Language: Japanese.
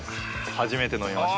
初めて飲みました。